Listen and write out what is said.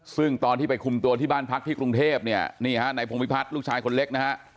ซึ่งตอนที่ไปคุมตัวที่บ้านพักที่กรุงเทพเนี่ยนี่ฮะในพงพิพัฒน์ลูกชายคนเล็กนะฮะ